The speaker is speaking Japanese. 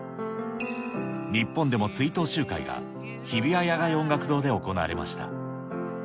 日本でも追悼集会が、日比谷野外音楽堂で行われました。